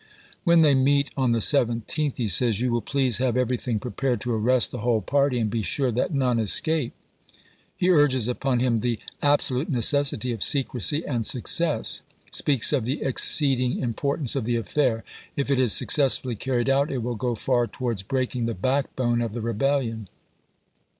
" When they meet on the 17th," he says, " you will please have everything prepared to arrest the whole party, and be sure that none escape." He urges upon him the "absolute necessity of secrecy and success"; McPherson, spcaks of the excccdiug importance of the affair — o/fhJ^^ "If it is successfully carried out it will go far p. 153. ' towards breaking the backbone of the rebellion."